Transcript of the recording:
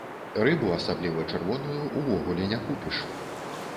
Рыбу, асабліва чырвоную, увогуле не купіш.